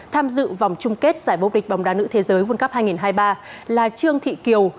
tham dự vòng chung kết giải bốc địch bóng đá nữ thế giới quân cấp hai nghìn hai mươi ba là trương thị kiều